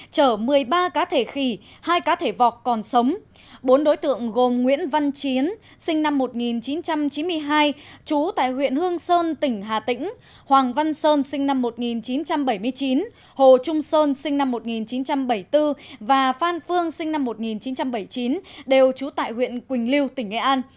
trở một mươi ba cá thể khỉ hai cá thể vọc còn sống bốn đối tượng gồm nguyễn văn chiến sinh năm một nghìn chín trăm chín mươi hai trú tại huyện hương sơn tỉnh hà tĩnh hoàng văn sơn sinh năm một nghìn chín trăm bảy mươi chín hồ trung sơn sinh năm một nghìn chín trăm bảy mươi bốn và phan phương sinh năm một nghìn chín trăm bảy mươi chín đều trú tại huyện quỳnh lưu tỉnh nghệ an